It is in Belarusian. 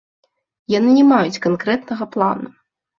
Яны не маюць канкрэтнага плану.